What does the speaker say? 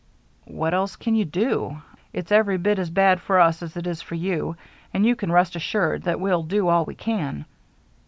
"What else can you do? It's every bit as bad for us as it is for you, and you can rest assured that we'll do all we can."